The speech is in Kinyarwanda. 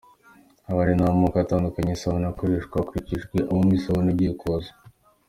Haba hari n’amoko atandukanye y’isabune akoreshwa hakurikijwe aho buri sabune igiye koza.